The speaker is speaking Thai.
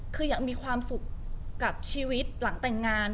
คืออยากมีความสุขกับชีวิตหลังแต่งงาน